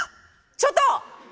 ちょっと！